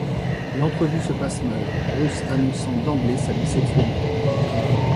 L'entrevue se passe mal, Bruce annonçant d'emblée sa bisexualité.